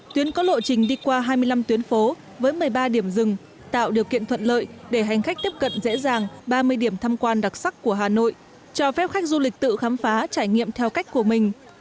tuyến có lộ trình đi qua hai mươi năm tuyến phố với một mươi ba điểm rừng tạo điều kiện thuận lợi để hành khách tiếp cận dễ dàng ba mươi điểm thăm quan đặc sắc của hà nội cho phép khách du lịch tự khám phá trải nghiệm theo cách của mình